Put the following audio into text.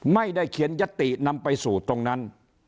ไม่ได้เขียนยตินำไปสู่ตรงนั้น